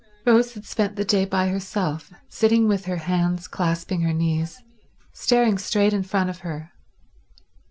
Rose had spent the day by herself, sitting with her hands clasping her knees, staring straight in front of her.